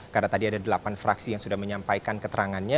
karena tadi ada delapan fraksi yang sudah menyampaikan keterangannya